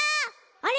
あれ？